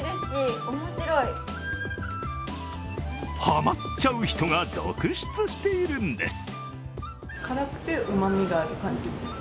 はまっちゃう人が続出しているんです。